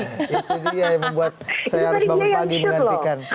itu dia yang membuat saya harus bangun pagi menggantikan